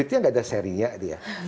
ya seri nya dia